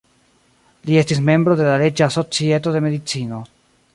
Li estis membro de la "Reĝa Societo de Medicino".